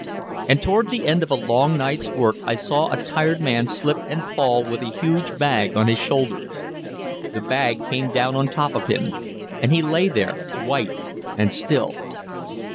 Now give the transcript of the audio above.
And toward the end of a long night's work I saw a tired man slip and fall with a huge bag on his shoulders. The bag came down on top of him, and he lay there white and still.